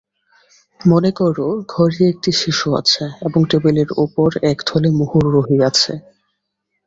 মনে কর ঘরে একটি শিশু আছে, এবং টেবিলের উপর এক থলে মোহর রহিয়াছে।